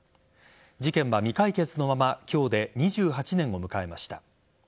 事件は未解決のまま今日で２８年を迎えました。